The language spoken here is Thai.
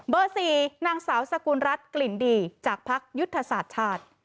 ๔นางสาวสกุลรัฐกลิ่นดีจากพักยุทธศาสตร์ชาติ